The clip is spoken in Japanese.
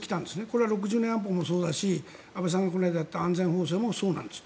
これは６０年安保もそうだし安倍さんがこの間やった安全保障もそうなんです。